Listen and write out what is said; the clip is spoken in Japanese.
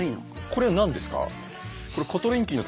これは何ですか？